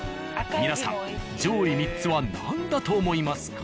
皆さん上位３つは何だと思いますか？